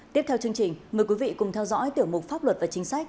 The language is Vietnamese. tiếp theo chương trình mời quý vị cùng theo dõi tiểu mục pháp luật và chính sách